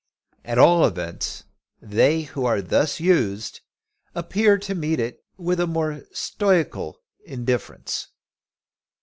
At all events, they who are thus used appear to meet it with a more stoical indifference.